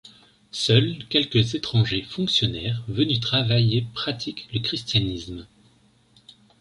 Seuls quelques étrangers fonctionnaires venus travailler pratiquent le christianisme.